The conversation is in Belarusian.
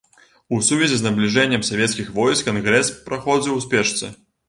У сувязі з набліжэннем савецкіх войск кангрэс праходзіў у спешцы.